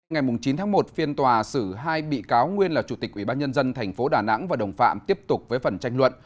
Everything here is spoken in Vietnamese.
ngày chín tháng một phiên tòa xử hai bị cáo nguyên là chủ tịch ubnd tp đà nẵng và đồng phạm tiếp tục với phần tranh luận